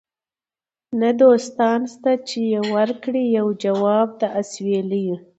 نه دوستان سته چي یې ورکړي یو جواب د اسوېلیو